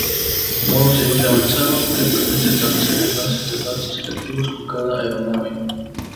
Modo civil avanzado que permite establecer enlaces de datos selectivos con cada aeronave.